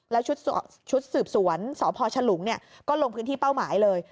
แล้วชุดสืบสวนสพฉลุงก็ลงพื้นที่เป้าหมายเลย